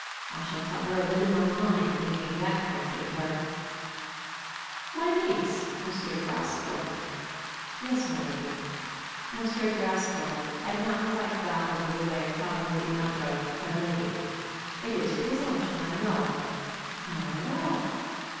I shall tell her a bit of my mind if anything of that kind should occur." "My niece, M. Grascour!" "Yes, my lady." M. Grascour had not quite got over the way of calling Lady Mountjoy "my lady." "It is presumption, I know." "Not at all."